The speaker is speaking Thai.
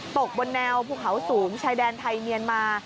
ตกบนแนวภูเขาสูงชายแดนไทยเมียนมา